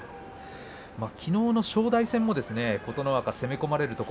きのうの正代戦も琴ノ若攻め込まれました。